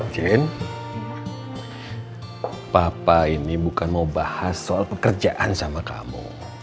jene papa ini bukan mau bahas soal pekerjaan sama kamu